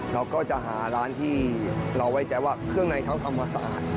เราก็จะหาร้านที่เราไว้ใจว่าเครื่องในเขาทำความสะอาด